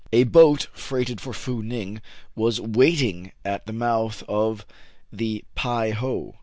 A boat, freighted for Fou Ning, was wait ing at the mouth of the Pei ho.